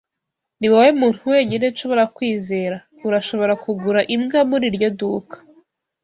Niwowe muntu wenyine nshobora kwizera. Urashobora kugura imbwa muri iryo duka.